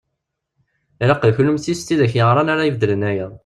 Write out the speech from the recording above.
Ilaq d kunemti s tidak yeɣran ara ibeddlen aya.